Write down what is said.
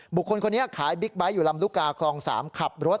บุคคลคนนี้ขายบิ๊กไบท์อยู่ลำลูกกาคลอง๓ขับรถ